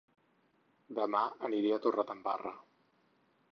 Dema aniré a Torredembarra